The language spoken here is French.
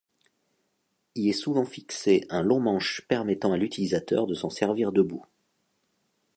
Y est souvent fixé un long manche permettant à l'utilisateur de s'en servir debout.